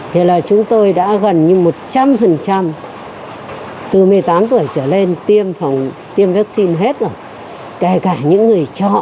thì là chúng tôi đã gần như một trăm linh từ một mươi tám tuổi trở lên tiêm vaccine hết rồi kể cả những người chọ